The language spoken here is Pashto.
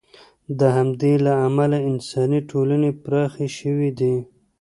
د همدې له امله انساني ټولنې پراخې شوې دي.